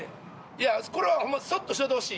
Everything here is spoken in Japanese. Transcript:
いやこれはホンマそっとしておいてほしい。